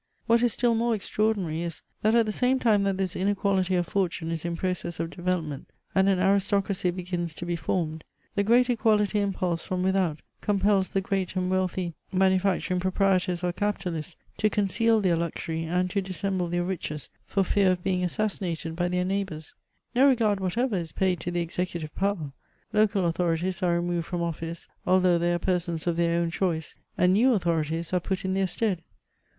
What is still more extraordinary is, that at the same time that this inequality of fortune is in process of development, and an aristocracy begins to be formed, the g^at equality impulse from without compels the great and wealthy maniuacturing pro 304 MEMoms OF prietors or capitalists to conceal their luxury, and to dissemble their riches, for fear of being assassinated by their neigh bours. No regard whatever is paid to the executive power ; local authorities are removed from office, although they are persons of their own choice, and new authorities are put in their stead.